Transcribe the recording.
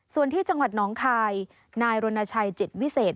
ส่วนที่จังหวัดน้องคายนายรณชัยจิตวิเศษ